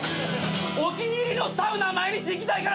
「お気に入りのサウナ毎日行きたいからという理由で」